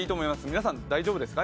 皆さん大丈夫ですか？